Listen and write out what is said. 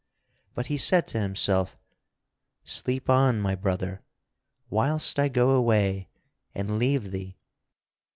But he said to himself: "Sleep on, my brother, whilst I go away and leave thee.